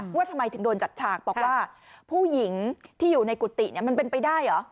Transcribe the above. ว่าทำไมถึงโดนจัดฉากบอกว่าผู้หญิงที่อยู่ในกุฏิมันเป็นไปได้เหรอ